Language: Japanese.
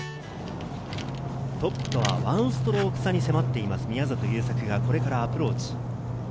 トップとは１ストローク差に迫っています、宮里優作がこれからアプローチ。